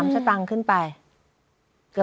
สตางค์ขึ้นไป